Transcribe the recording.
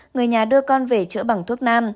người nhà đưa con về chữa bằng thuốc nam